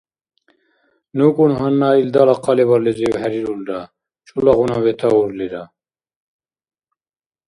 НукӀун гьанна илдала хъалибарглизив хӀерирулра, чулагъуна ветаурлира.